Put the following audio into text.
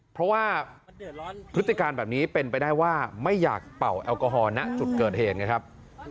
เพราะว่าพฤติการแบบนี้เป็นไปได้ว่าไม่อยากเป่าแอลกอฮอลณจุดเกิดเหตุไงครับ